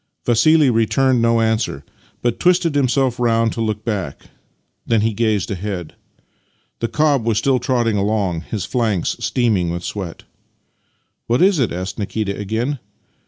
Vassili returned no answer, but twisted himself round to look back. Then he gazed ahead. The cob was still trotting along, his flanks steaming with sweat. " What is it? " asked Nikita again.